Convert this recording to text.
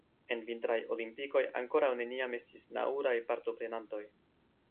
En vintraj olimpikoj ankoraŭ neniam estis nauraj partoprenantoj.